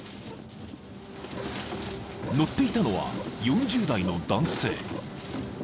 ［乗っていたのは４０代の男性］